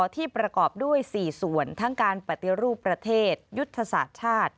ที่ประกอบด้วย๔ส่วนทั้งการปฏิรูปประเทศยุทธศาสตร์ชาติ